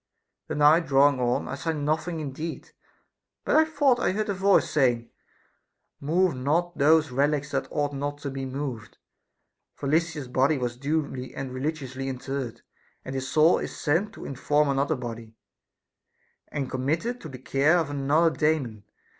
The night draw ing on, I saw nothing indeed, but thought I heard a voice saying : Move not those relics that ought not to be moved, for Lysis's body was duly and religiously interred ; and his soul is sent to inform another body, and committed to the care of another Daemon.